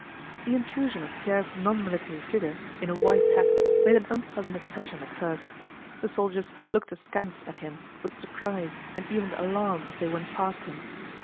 The intrusion of Pierre's nonmilitary figure in a white hat made an unpleasant impression at first. The soldiers looked askance at him with surprise and even alarm as they went past him.